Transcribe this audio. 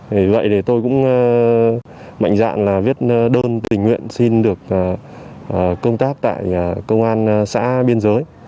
vì vậy thì tôi cũng mạnh dạng là viết đơn tình nguyện xin được công tác tại công an xã biên giới